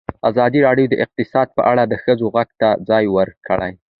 ازادي راډیو د اقتصاد په اړه د ښځو غږ ته ځای ورکړی.